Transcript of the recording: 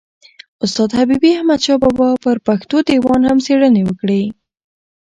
استاد حبیبي احمدشاه بابا پر پښتو دېوان هم څېړني وکړې.